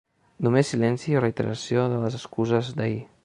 Només silenci o reiteració de les excuses d’ahir.